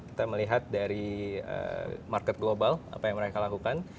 kita melihat dari market global apa yang mereka lakukan